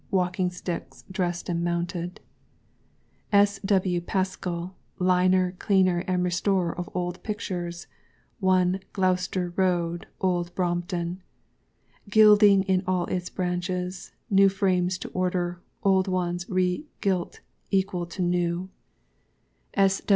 Walling Sticks Dressed and Mounted. S. W. PASKELL, Liner, Cleaner, and Restorer of Old Pictures, 1, GLOUCESTER ROAD, OLD BROMPTON. Gilding in all its branches. New Frames to Order. Old ones Re gilt equal to New.